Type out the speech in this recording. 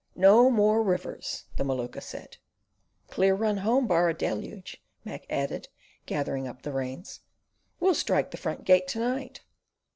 "No more rivers!" the Maluka said. "Clear run home, bar a deluge," Mac added, gathering up the reins. "We'll strike the front gate to night."